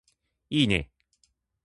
いーね